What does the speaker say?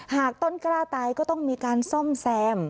ต้นกล้าตายก็ต้องมีการซ่อมแซม